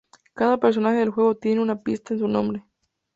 Cada personaje del juego tiene una pista en su nombre.